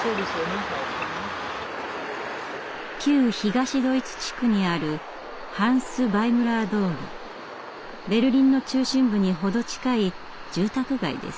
旧東ドイツ地区にあるベルリンの中心部に程近い住宅街です。